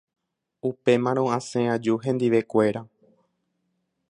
Upémarõ asẽ aju hendivekuéra.